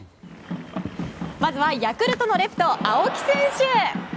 まずはヤクルトのレフト青木選手。